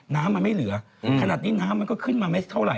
น้ำมันไม่เหลือขนาดนี้น้ำมันก็ขึ้นมาไม่เท่าไห